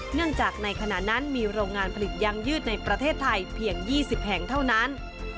เนื่องจากในขณะนั้นมีโรงงานผลิตยางยืดในประเทศไทยเพียง๒๐แห่งเท่านั้น